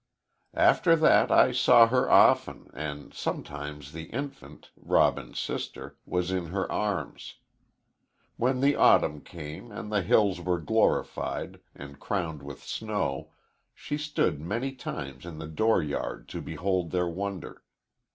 "After that I saw her often, and sometimes the infant, Robin's sister, was in her arms. When the autumn came, and the hills were glorified, and crowned with snow, she stood many times in the door yard to behold their wonder.